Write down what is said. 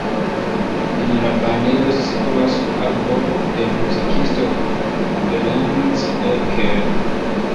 En la banejo situas arbo de muzikisto Ferenc Erkel.